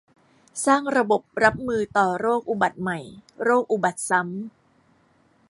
สร้างระบบรับมือต่อโรคอุบัติใหม่ โรคอุบัติซ้ำ